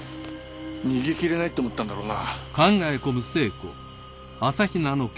逃げ切れないと思ったんだろうな。